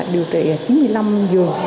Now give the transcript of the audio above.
điều trị chín mươi năm dưỡng